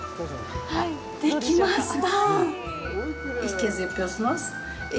できました！